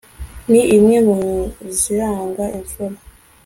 ni imwe mu ziranga imfura